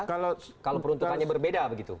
kalau peruntukannya berbeda begitu